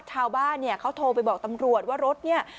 ชาวบ้านเนี่ยเขาโทรไปบอกตำรวจว่ารถเนี่ย